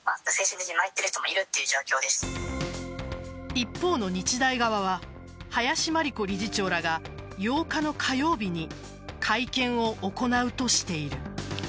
一方の日大側は林真理子理事長らが８日の火曜日に会見を行うとしている。